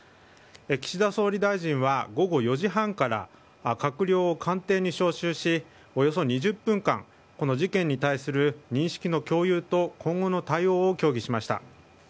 岸田総理大臣は午後４時半から閣僚を官邸に招集しおよそ２０分間この事件に対する認識の共有と今後の対応を協議しました。